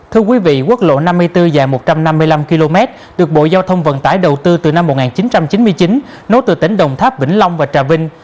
thưa quý vị quốc lộ năm mươi bốn dài một trăm năm mươi năm km được bộ giao thông vận tải đầu tư từ năm một nghìn chín trăm chín mươi chín nối từ tỉnh đồng tháp vĩnh long và trà vinh